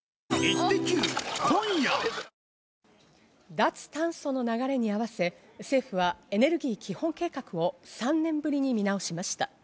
脱炭素の流れに合わせ、政府はエネルギー基本計画を３年ぶりに見直しました。